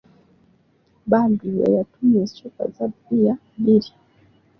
Badru we yatumya eccupa za bbiya bbiri.